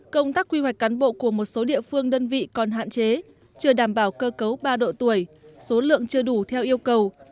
công tác quy hoạch cán bộ của một số địa phương đơn vị còn hạn chế chưa đảm bảo cơ cấu ba độ tuổi số lượng chưa đủ theo yêu cầu